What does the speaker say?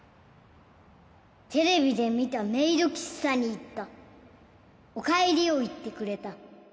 「テレビでみたメイドきっさにいった」「おかえりをいってくれた」